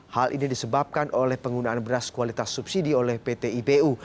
hal ini disebabkan oleh penggunaan beras kualitas subsidi oleh pt ibu